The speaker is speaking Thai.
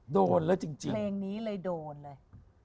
โดนแล้วจริงเพลงนี้เลยโดนเลย